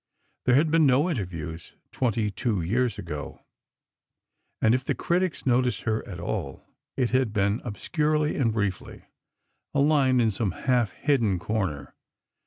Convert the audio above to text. There had been no interviews twenty two years ago, and if the critics noticed her at all, it had been obscurely and briefly, a line in some half hidden corner.